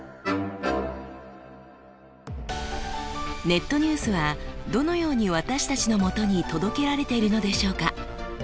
ネットニュースはどのように私たちのもとに届けられているのでしょうか。